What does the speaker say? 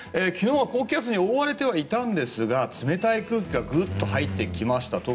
昨日は高気圧に覆われてはいたんですが冷たい空気がぐっと入ってきました。